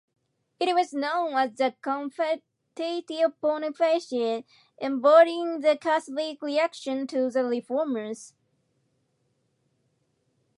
It was known as the "Confutatio pontificia", embodying the Catholic reaction to the reformers.